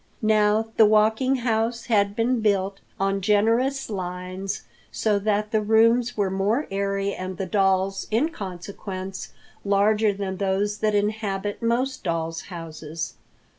Now, the Walking House had been built on generous lines so that the rooms were more airy and the dolls, in consequence, larger than those that inhabit most doll's houses.